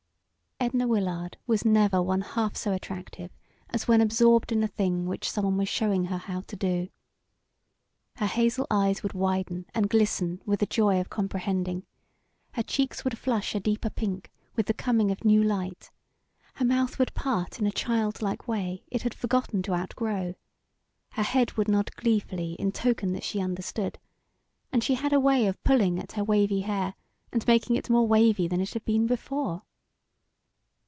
Edna Willard was never one half so attractive as when absorbed in a thing which someone was showing her how to do. Her hazel eyes would widen and glisten with the joy of comprehending; her cheeks would flush a deeper pink with the coming of new light, her mouth would part in a child like way it had forgotten to outgrow, her head would nod gleefully in token that she understood, and she had a way of pulling at her wavy hair and making it more wavy than it had been before.